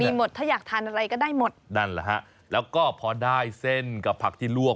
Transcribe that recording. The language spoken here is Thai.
มีหมดถ้าอยากทานอะไรก็ได้หมดนั่นแหละฮะแล้วก็พอได้เส้นกับผักที่ลวก